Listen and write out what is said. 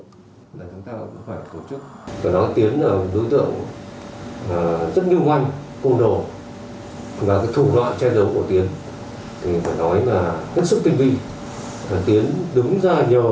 chúng ta cũng phải cố chức để tiến đối tượng rất như ngoan cùng đồ